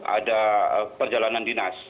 ada perjalanan dinas